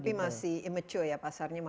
tapi masih emature ya pasarnya